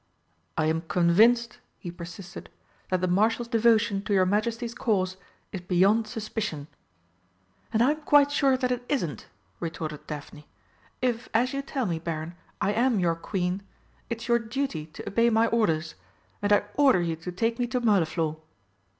"I am convinced," he persisted, "that the Marshal's devotion to your Majesty's cause is beyond suspicion." "And I'm quite sure that it isn't," retorted Daphne. "If, as you tell me, Baron, I am your Queen, it's your duty to obey my orders, and I order you to take me to Mirliflor."